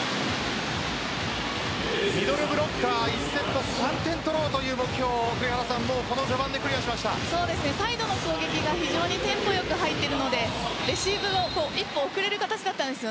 ミドルブロッカー１セット３点取ろうという目標をサイドの攻撃が非常にテンポよく入っているのでレシーブも一歩遅れる形だったんです。